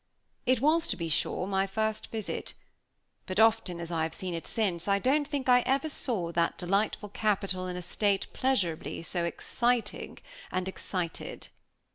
It was, to be sure, my first visit. But often as I have seen it since, I don't think I ever saw that delightful capital in a state, pleasurably so excited and exciting.